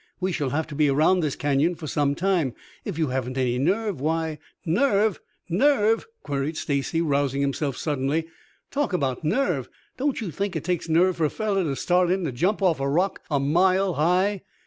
We shall have to be around this canyon for some time. If you haven't any nerve, why " "Nerve? Nerve?" queried Stacy, rousing himself suddenly. "Talk about nerve! Don't you think it takes nerve for a fellow to start in to jump off a rock a mile high?